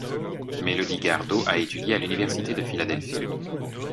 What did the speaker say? Melody Gardot a étudié à l'université de Philadelphie.